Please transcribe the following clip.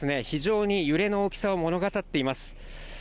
非常に揺れの大きさを物語っています。